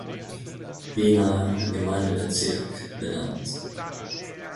Wiener Gemeindebezirk benannt.